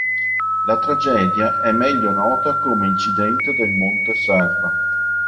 La tragedia è meglio nota come incidente del Monte Serra.